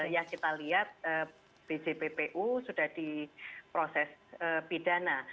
ya kita lihat bjppu sudah diproses pidana